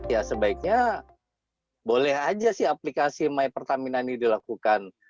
ya sebaiknya boleh aja sih aplikasi mypertamina ini dilakukan